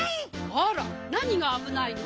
あらなにがあぶないの？